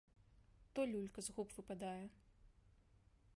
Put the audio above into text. То люлька з губ выпадае.